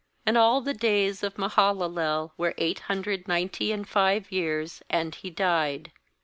17And all the days of Mahalalel were eight hundred ninety and five years; and he died.